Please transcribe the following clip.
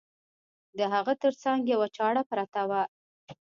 د هغه تر څنګ یوه چاړه پرته وه.